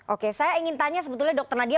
oke saya ingin tanya sebetulnya dokter nadia